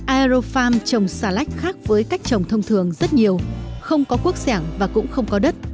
aerofarm trồng xà lách khác với cách trồng thông thường rất nhiều không có quốc sẻng và cũng không có đất